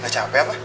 nggak capek apa